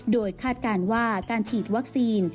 โดยคาดการณ์ว่าการฉีดวัคซีน